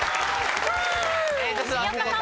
重岡さん。